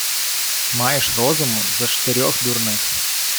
Має розуму за штирьох дурних.